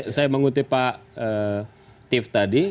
saya mengutip pak tiff tadi